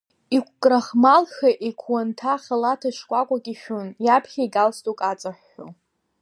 Еиқәкрахмалха, еиқәуанҭа халаҭа шкәакәак ишәын, иаԥхьа игалстук аҵыҳәҳәо.